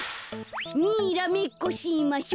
にらめっこしましょ。